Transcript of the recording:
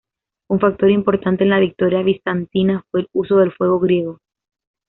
Un factor importante en la victoria bizantina fue el uso del fuego griego.